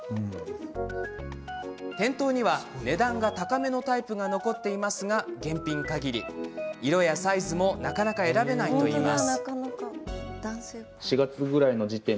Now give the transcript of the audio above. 店頭には、値段が高めのタイプが残っていますが現品かぎり、色やサイズもなかなか選べないといいます。